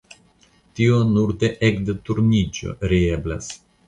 Tio nur ekde Turniĝo reeblas.